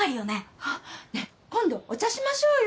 あっねえ今度お茶しましょうよ！